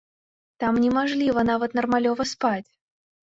Там не мажліва нават нармалёва спаць.